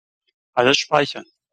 Alles speichern.